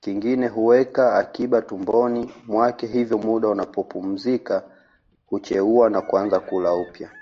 Kingine huweka akiba tumboni mwake hivyo muda anapopumzika hucheua na kuanza kula upya